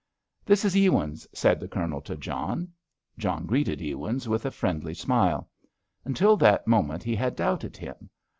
"This is Ewins," said the Colonel to John. John greeted Ewins with a friendly smile. Until that moment he had doubted him.